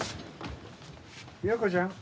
陽子ちゃん